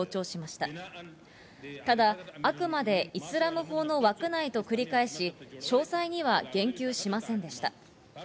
ただ、あくまでイスラム法の枠内と繰り返し、詳細には言及しませんでした。